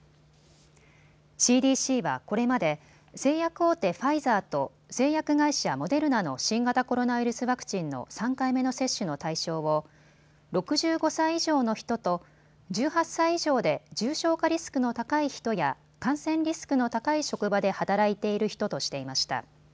ＣＤＣはこれまで製薬大手ファイザーと製薬会社モデルナの新型コロナウイルスワクチンの３回目の接種の対象を６５歳以上の人と１８歳以上で重症化リスクの高い人や感染リスクの高い職場で働いている人としていました。